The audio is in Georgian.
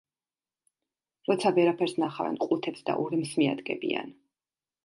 როცა ვერაფერს ნახავენ ყუთებს და ურემს მიადგებიან.